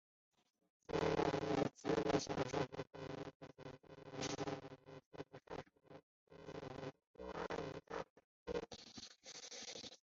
人人有资格享有本宣言所载的一切权利和自由,不分种族、肤色、性别、语言、宗教、政治或其他见解、国籍或社会出身、财产、出生或其他身分等任何区别。